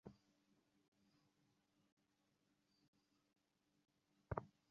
এতে করে সাধারণ মানুষের পাশাপাশি চিকিৎসকরাও সঠিক রোগটি শনাক্ত করে চিকিৎসা দিতে সমস্যায় পড়েন।